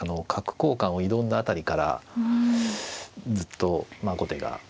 角交換を挑んだ辺りからずっと後手が。